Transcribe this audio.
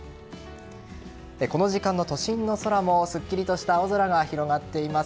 この時間の都心の空もすっきりとした青空が広がっています。